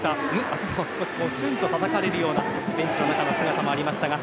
頭をぽつんとたたかれるようなベンチの中での姿もありました。